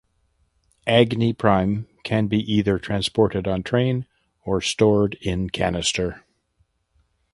Agni Prime can be either transported on train or stored in canister.